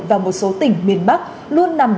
và một số tỉnh miền bắc luôn nằm